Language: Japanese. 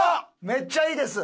めっちゃいいです！